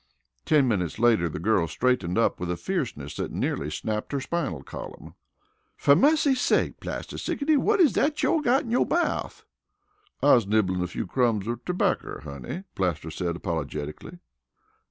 Ten minutes later the girl straightened up with a fierceness that nearly snapped her spinal column. "Fer mussy sake, Plaster Sickety! Whut is you got in yo' mouf?" "I's nibblin' a few crumbs of terbacker, honey," Plaster said apologetically.